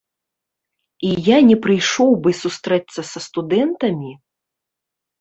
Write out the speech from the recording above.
І я не прыйшоў бы сустрэцца са студэнтамі?